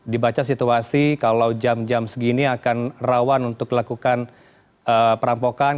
dibaca situasi kalau jam jam segini akan rawan untuk dilakukan perampokan